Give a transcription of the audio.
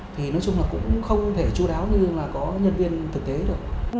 thì nói chung là cũng không thể chú đáo như là có nhân viên thực tế được